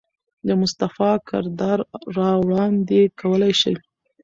د مصطفى کردار را وړاندې کولے شي.